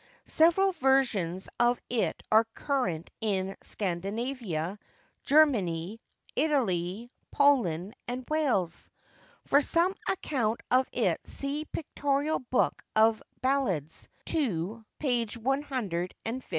Several versions of it are current in Scandinavia, Germany, Italy, Poland, and Wales. For some account of it see Pictorial Book of Ballads, ii.